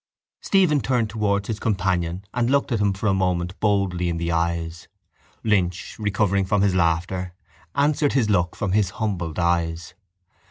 Stephen turned towards his companion and looked at him for a moment boldly in the eyes. Lynch, recovering from his laughter, answered his look from his humbled eyes.